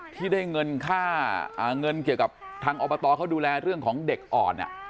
ที่ได้เงินค่าเงินเกี่ยวกับทางอบตเขาดูแลเรื่องของเด็กอ่อน